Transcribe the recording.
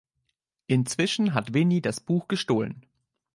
Inzwischen hat Vinnie das Buch gestohlen.